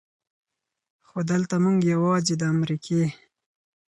خو دلته مونږ يواځې د امريکې